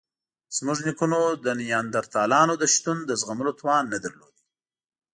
زموږ نیکونو د نیاندرتالانو د شتون د زغملو توان نه درلود.